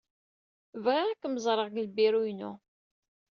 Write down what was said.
Bɣiɣ ad kem-ẓreɣ deg lbiru-inu.